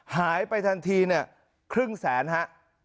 หายไปทันทีเนี่ยครึ่งแสนฮะ